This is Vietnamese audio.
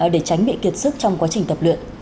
để tránh bị kiệt sức trong quá trình tập luyện